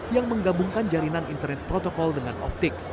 yang menggabungkan jaringan internet protokol dengan optik